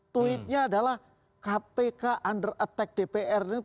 tweetnya adalah kpk under attack dpr ini presiden kemarin